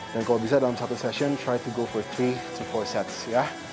dan kalau bisa dalam satu session try to go for three to four sets ya